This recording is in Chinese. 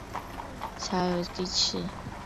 辖有第七。